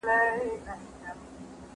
زه همدا اوس یو مینه ناک ناول لولم.